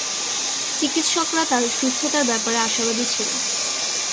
চিকিৎসকরা তার সুস্থতার ব্যাপারে আশাবাদী ছিলেন।